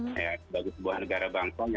sebagai sebuah negara bangsa